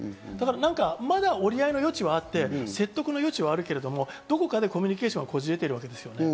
まだ折り合いの余地はあって、説得の余地はあるけど、どこかでコミュニケーションがこじれている。